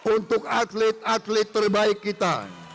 untuk atlet atlet terbaik kita